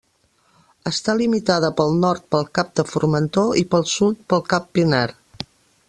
Està limitada pel nord pel cap de Formentor, i pel sud pel cap Pinar.